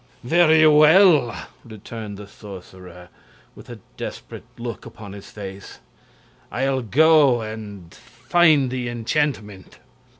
"Very well," returned the sorcerer, with a desperate look upon his face; "I'll go and find the enchantment."